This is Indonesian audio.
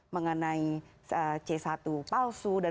mengenai c satu palsu